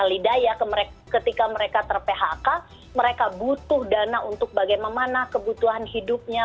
alih daya ketika mereka ter phk mereka butuh dana untuk bagaimana kebutuhan hidupnya